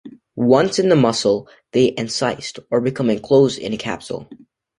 Once in the muscle, they encyst, or become enclosed in a capsule.